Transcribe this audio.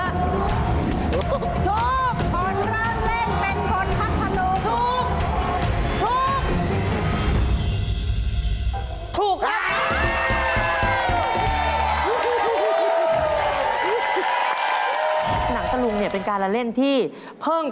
ที่เพิ่งเป็นที่ปลอดภารกิจวันนี้นะครับ